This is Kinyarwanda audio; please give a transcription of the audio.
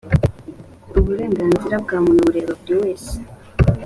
uburenganzira bwa muntu bureba buriwese.